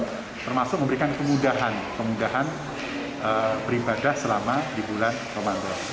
termasuk memberikan kemudahan kemudahan beribadah selama di bulan ramadan